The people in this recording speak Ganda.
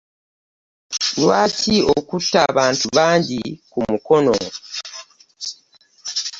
Lwaki okute abantu bangi ku mukono?